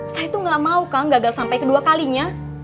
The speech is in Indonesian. saya itu gak mau kang gagal sampai kedua kalinya